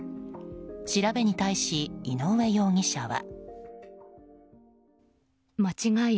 調べに対し井上容疑者は。